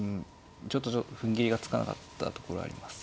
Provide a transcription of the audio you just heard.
ちょっとふんぎりがつかなかったところはあります。